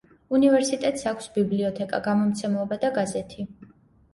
უნივერსიტეტს აქვს ბიბლიოთეკა, გამომცემლობა და გაზეთი.